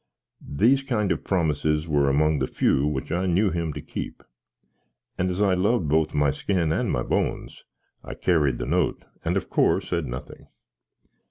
These kind of prommises were among the few which I knew him to keep; and as I loved boath my skinn and my boans, I carried the noat, and, of core, said nothink.